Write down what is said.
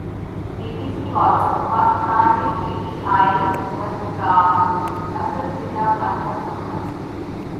be B C والو پاکستان میں پی ٹی آئی حکومت کا اصل چہرا ملاحظہ فرمائیں